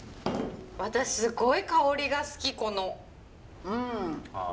私すごい香りが好きこの。